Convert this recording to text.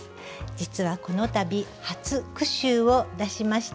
実はこの度初句集を出しました。